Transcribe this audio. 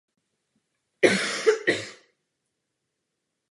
Takových případů existuje celá řada.